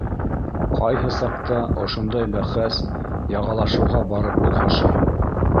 Ҡайһы саҡта ошондай бәхәс яғалашыуға барып олғаша.